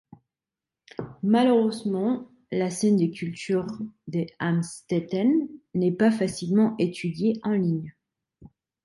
Malheureusement, la scène de culture de Amstetten n'est pas facilement étudié en ligne.